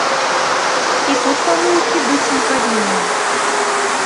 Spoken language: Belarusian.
І тут памылкі быць не павінна.